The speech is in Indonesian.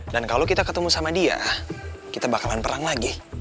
dan kalo kita ketemu sama dia kita bakalan perang lagi